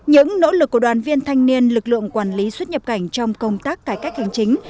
những nỗ lực của đoàn viên thanh niên lực lượng quản lý xuất nhập cảnh trong công tác cải cách hành chính